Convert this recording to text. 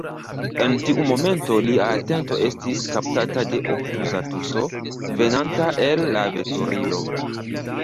En tiu momento lia atento estis kaptata de obtuza tuso, venanta el la veturilo.